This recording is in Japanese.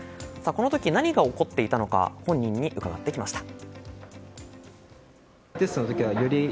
この時、何が起こっていたのか本人に伺ってきました。